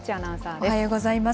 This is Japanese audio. おはようございます。